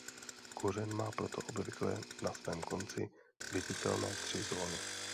Kořen má proto obvykle na svém konci viditelné tři zóny.